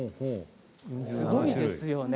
すごいですよね。